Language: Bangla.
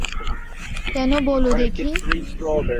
কেন বলো দেখি।